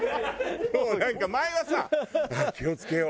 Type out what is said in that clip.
もうなんか前はさああ気を付けよう